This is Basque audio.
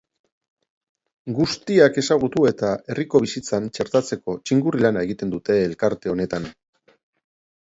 Guztiak ezagutu eta herriko bizitzan txertatzeko txingurri lana egiten dute elkarte honetan.